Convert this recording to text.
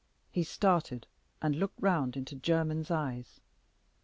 He started and looked round into Jermyn's eyes.